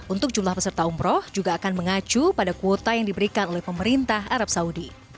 untuk jumlah peserta umroh juga akan mengacu pada kuota yang diberikan oleh pemerintah arab saudi